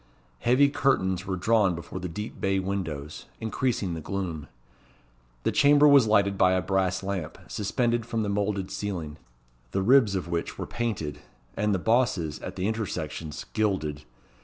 Heavy curtains were drawn before the deep bay windows, increasing the gloom. The chamber was lighted by a brass lamp suspended from the moulded ceiling, the ribs of which were painted, and the bosses, at the intersections, gilded.